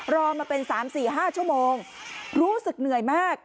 รอมาเป็น๓๔๕ชั่วโมงรู้สึกเหนื่อยมาก